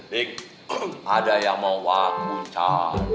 dik ada yang mau wakun cal